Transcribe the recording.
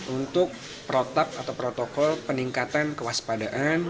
untuk protap atau protokol peningkatan kewaspadaan